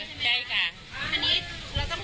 วันนี้เราต้องใช้ลม